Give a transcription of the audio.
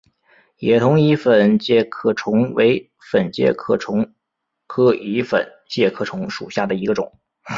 野桐蚁粉介壳虫为粉介壳虫科蚁粉介壳虫属下的一个种。